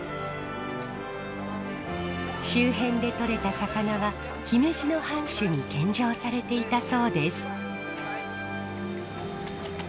周辺でとれた魚は姫路の藩主に献上されていたそうです。